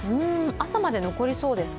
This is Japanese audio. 朝まで残りそうですか？